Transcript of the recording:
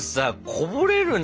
こぼれるよ